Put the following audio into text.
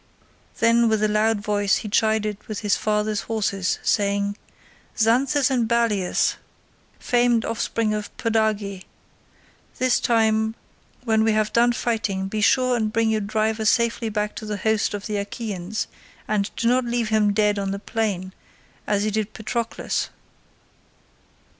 Then with a loud voice he chided with his father's horses saying, "Xanthus and Balius, famed offspring of Podarge—this time when we have done fighting be sure and bring your driver safely back to the host of the Achaeans, and do not leave him dead on the plain as you did Patroclus."